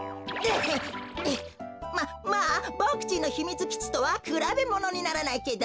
ままあぼくちんのひみつきちとはくらべものにならないけど。